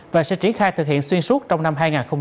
và sẽ triển khai thực hiện xuyên suốt trong năm hai nghìn hai mươi